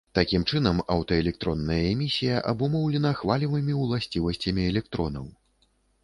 Такім чынам, аўтаэлектронная эмісія абумоўлена хвалевымі ўласцівасцямі электронаў.